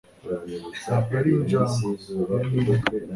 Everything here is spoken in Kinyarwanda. ntabwo ari injangwe. iyo ni imbwa